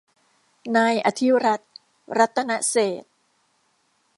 นายอธิรัฐ รัตนเศรษฐ